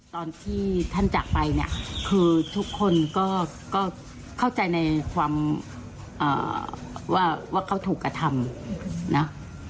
ตอนที่ท่านจากไปเนี่ยคือทุกคนก็เข้าใจในความว่าเขาถูกกระทำนะ